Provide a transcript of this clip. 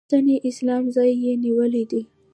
د سنتي اسلام ځای یې نیولی دی.